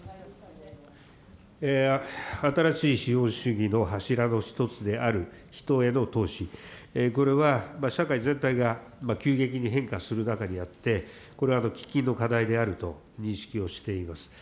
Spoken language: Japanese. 新しい資本主義の柱の一つである人への投資、これは社会全体が急激に変化する中にあって、これは喫緊の課題であると認識をしています。